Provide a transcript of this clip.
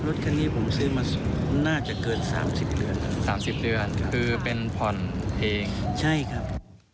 รถคันนี้ผมซื้อมาน่าจะเกินสามสิบเดือนสามสิบเดือนครับคือเป็นผ่อนเองใช่ครับ